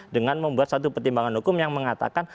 dengan membuat satu pertimbangan hukum yang mengatakan